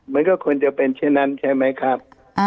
มันก็ควรจะเป็นเช่นนั้นใช่ไหมครับ